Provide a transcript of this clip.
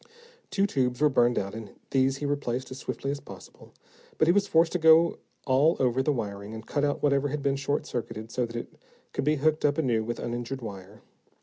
Two tubes were burned out, and these he replaced as swiftly as possible. But he was forced to go all over the wiring, and cut out whatever had been short circuited so that it could be hooked up anew with uninjured wire.